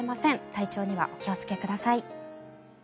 体調にはお気をつけください。